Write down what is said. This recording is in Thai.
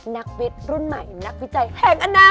นักวิทย์รุ่นใหม่นักวิจัยแห่งอนาค